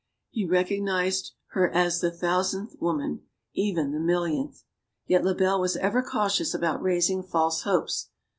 He recognized her z s the thousandth woman even the millionth. Yet Lebel was ever cautious about raising false hopes.